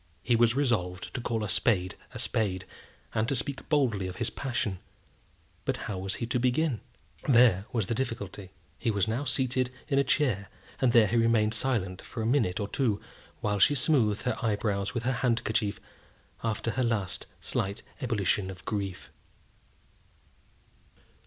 He was resolved to call a spade a spade, and to speak boldly of his passion; but how was he to begin? There was the difficulty. He was now seated in a chair, and there he remained silent for a minute or two, while she smoothed her eyebrows with her handkerchief after her last slight ebullition of grief.